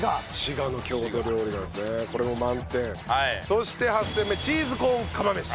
そして８戦目チーズコーン釜飯。